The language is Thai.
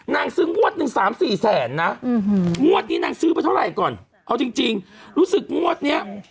นางซื้องวดหนึ่งสามสี่แสนนะงวดนี้นางซื้อไปเท่าไหร่ก่อนเอาจริงรู้สึกงวดเนี้ย